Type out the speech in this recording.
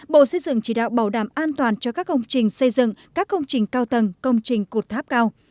bộ xây dựng chỉ đạo bảo đảm an toàn cho các công trình xây dựng các công trình cao tầng công trình cột tháp cao